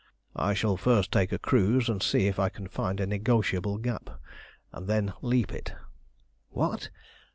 "I shall first take a cruise and see if I can find a negotiable gap, and then leap it." "What!